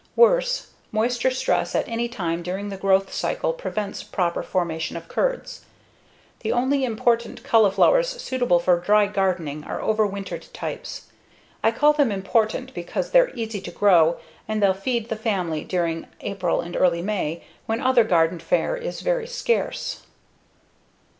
Worse, moisture stress at any time during the growth cycle prevents proper formation of curds. The only important cauliflowers suitable for dry gardening are overwintered types. I call them important because they're easy to grow and they'll feed the family during April and early May, when other garden fare is very scarce.